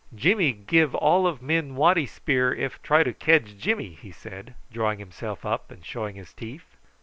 "Jimmy xiv all o' men waddy spear if try to kedge Jimmy," he said, drawing himself up and showing his teeth.